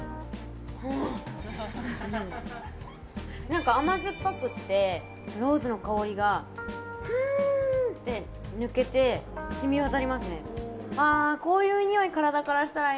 何か甘酸っぱくてローズの香りがふーんって抜けて染み渡りますね。